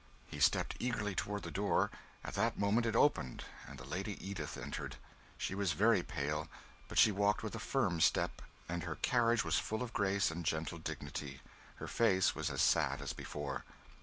He stepped eagerly toward the door; at that moment it opened, and the Lady Edith entered. She was very pale, but she walked with a firm step, and her carriage was full of grace and gentle dignity. Her face was as sad as before.